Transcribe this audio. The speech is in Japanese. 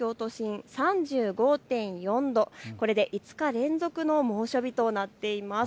そして日中の最高気温が東京都心３５．４度、これで５日連続の猛暑日となっています。